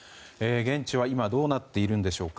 現地は今どうなっているんでしょうか。